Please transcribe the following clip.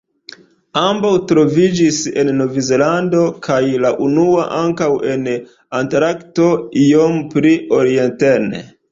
Ambaŭ troviĝis en Novzelando, kaj la unua ankaŭ en Antarkto iom pli orienten.